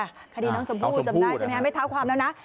อาทิตย์น้องชมผู้จำได้ใช่ไหมฮะไม่เท่าความแล้วนะ